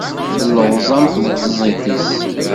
Telleɣẓam tweṭzit-is.